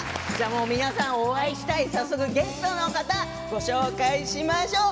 皆さんお会いしたい早速ゲストの方ご紹介しましょう。